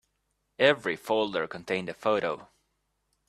Every folder contained a photo.